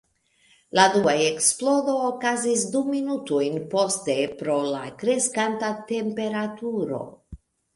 La dua eksplodo okazis du minutojn poste pro la kreskanta temperaturo.